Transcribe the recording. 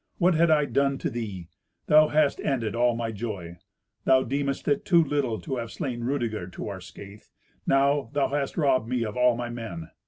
What had I done to thee? Thou hast ended all my joy. Thou deemedst it too little to have slain Rudeger to our scathe; now thou hast robbed me of all my men.